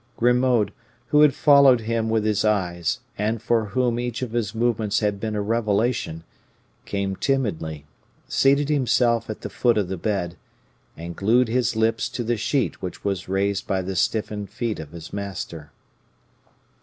Grimaud, who had followed him with his eyes, and for whom each of his movements had been a revelation, came timidly; seated himself at the foot of the bed, and glued his lips to the sheet which was raised by the stiffened feet of his master.